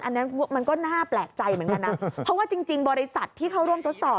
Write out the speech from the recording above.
อันนี้มันก็น่าแปลกใจเหมือนกันนะเพราะว่าจริงบริษัทที่เข้าร่วมทดสอบ